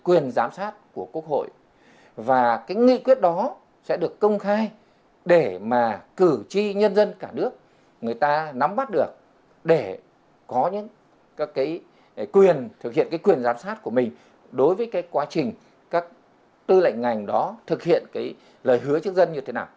quyền giám sát của quốc hội và cái nghị quyết đó sẽ được công khai để mà cử tri nhân dân cả nước người ta nắm bắt được để có những các cái quyền thực hiện cái quyền giám sát của mình đối với cái quá trình các tư lệnh ngành đó thực hiện cái lời hứa trước dân như thế nào